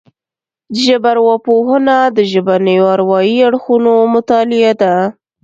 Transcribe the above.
ژبارواپوهنه د ژبنيو او اروايي اړخونو مطالعه ده